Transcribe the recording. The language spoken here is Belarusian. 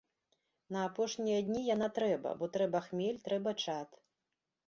На апошнія дні яна трэба, бо трэба хмель, трэба чад.